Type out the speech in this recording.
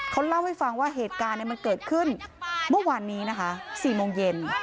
เขาเล่าให้ฟังว่าเหตุการณ์มันเกิดขึ้นเมื่อวานนี้นะคะ๔โมงเย็น